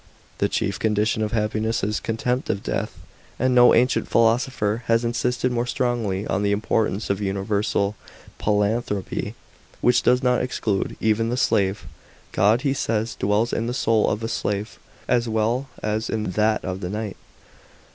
The chief condition of happiness is contempt of death. And no ancient philosopher has insisted more strongly on the importance of universal philanthropy, which does not exclude even the slave. God, he says, dwells in the soul of the slave, as well as in that of the knight.